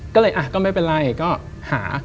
ก็เลยก็ไม่เป็นไรก็หา